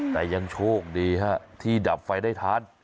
แต่ยังโชคดีฮะที่ดับไฟได้ทัน